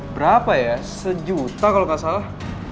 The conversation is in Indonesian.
berapa ya sejuta kalo gak salah